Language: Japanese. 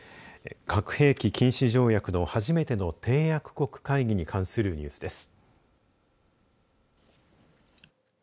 核兵器禁止条約の初めての締約国会議に関するニュースです。